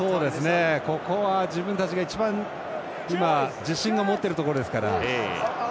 ここは自分たちが一番自信を持ってるところですから。